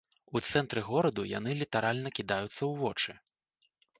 У цэнтры гораду яны літаральна кідаюцца ў вочы.